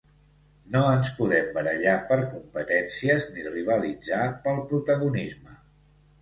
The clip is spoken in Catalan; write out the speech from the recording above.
No ens podem barallar per competències ni rivalitzar pel protagonisme.